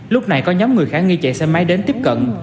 lúc này có nhóm người khả nghi chạy xe máy đến tiếp cận